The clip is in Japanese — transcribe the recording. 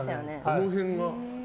どの辺が？